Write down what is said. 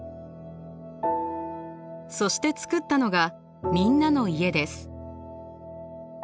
そして作ったのがみんなの家です。